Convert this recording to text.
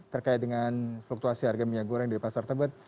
terkait dengan fluktuasi harga minyak goreng di pasar tebet